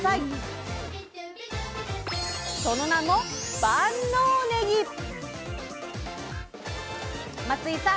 その名も松井さん